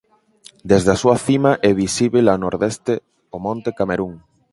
Desde a súa cima é visíbel a nordeste o Monte Camerún.